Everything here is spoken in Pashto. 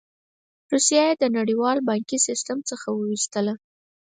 روسیه یې د نړیوال بانکي سیستم څخه وویستله.